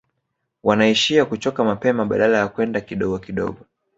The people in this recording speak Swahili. Wanaishia kuchoka mapema badala ya kwenda kidogo kidogo